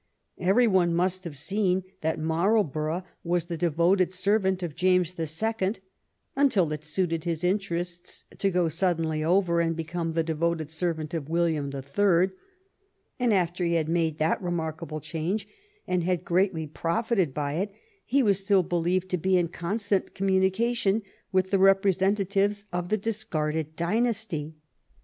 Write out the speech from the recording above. Every one must have seen that Marlborough was the devoted servant of James the Second until it suited his interests to go suddenly over and become the devoted servant of William the Third, and after he had made that remarkable change and had greatly profited by it he was still believed to be in constant communication with the representatives of the discarded dynasty.